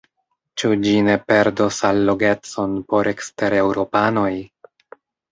Ĉu ĝi ne perdos allogecon por ekstereŭropanoj?